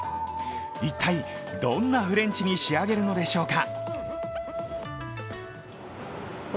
一体、どんなフレンチに仕上げるのでしょうか。